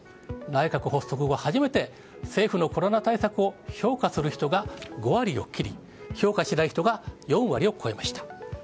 内閣発足後初めて、政府のコロナ対策を評価する人が５割を切り、評価しない人が４割を超えました。